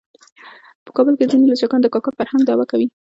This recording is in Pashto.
په کابل کې ځینې لچکان د کاکه فرهنګ دعوه کوي.